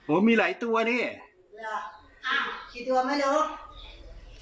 โอ้มีหลายตัวนี่หรออ่าสี่ตัวไม่รู้